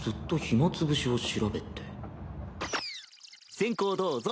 先攻どうぞ。